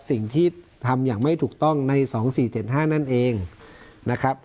สิ่งที่ทำอย่างไม่ถูกต้องในสองสี่เจ็ดห้านั่นเองนะครับ